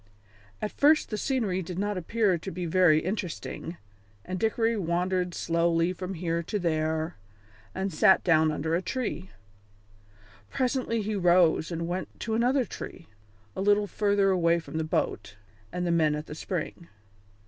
At first the scenery did not appear to be very interesting, and Dickory wandered slowly from here to there, then sat down under a tree. Presently he rose and went to another tree, a little farther away from the boat and the men at the spring.